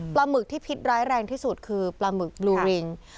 หมึกที่พิษร้ายแรงที่สุดคือปลาหมึกบลูริง